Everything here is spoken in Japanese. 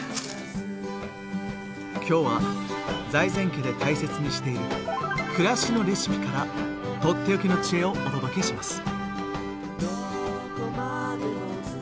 今日は財前家で大切にしている「暮らしのレシピ」からとっておきの知恵をお届けします。